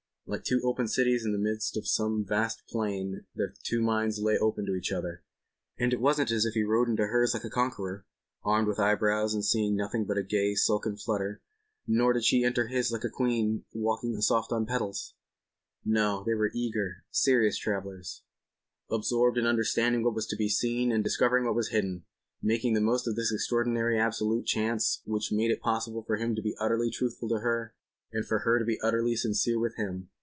Like two open cities in the midst of some vast plain their two minds lay open to each other. And it wasn't as if he rode into hers like a conqueror, armed to the eyebrows and seeing nothing but a gay silken flutter—nor did she enter his like a queen walking soft on petals. No, they were eager, serious travellers, absorbed in understanding what was to be seen and discovering what was hidden—making the most of this extraordinary absolute chance which made it possible for him to be utterly truthful to her and for her to be utterly sincere with him.